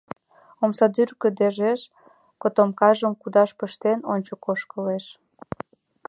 Омсадӱр кыдежеш котомкажым кудаш пыштен, ончыко ошкылеш.